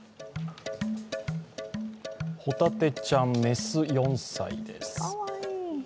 ホタテちゃん、雌、４歳です。